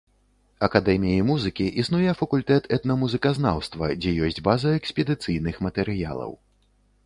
Акадэміі музыкі існуе факультэт этнамузыказнаўства, дзе ёсць база экспедыцыйных матэрыялаў.